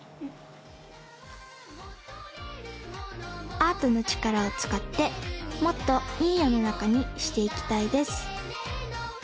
アートのちからをつかってもっといいよのなかにしていきたいです